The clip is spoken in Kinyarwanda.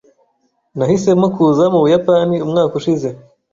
Nahisemo kuza mu Buyapani umwaka ushize.